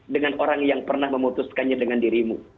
dengan orang yang pernah memutuskannya dengan dirimu